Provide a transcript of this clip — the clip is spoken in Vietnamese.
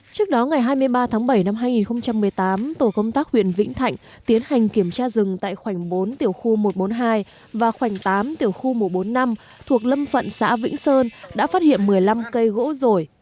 trước đó ngày hai mươi ba tháng bảy năm hai nghìn một mươi tám tổ công tác huyện vĩnh thạnh tiến hành kiểm tra rừng tại khoảnh bốn tiểu khu một trăm bốn mươi hai và khoảnh tám tiểu khu một trăm bốn mươi năm thuộc lâm phận xã vĩnh sơn đã phát hiện một mươi năm cây gỗ rồi